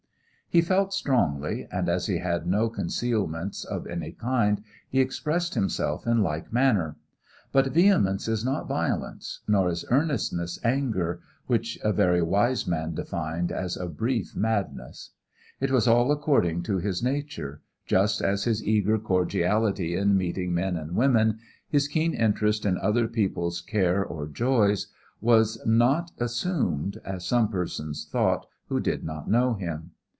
He felt strongly, and as he had no concealments of any kind, he expressed himself in like manner. But vehemence is not violence nor is earnestness anger, which a very wise man defined as a brief madness. It was all according to his nature, just as his eager cordiality in meeting men and women, his keen interest in other people's care or joys, was not assumed, as some persons thought who did not know him.